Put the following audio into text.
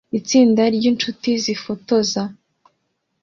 Itsinda ryinshuti zifotoza